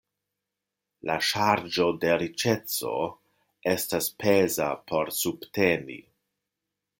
La ŝarĝo de riĉeco estas peza por subteni.